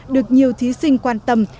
được nhiều thí sinh quan tâm